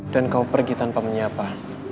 dan kau pergi tanpa menyapa